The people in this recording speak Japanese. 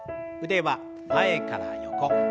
腕は前から横。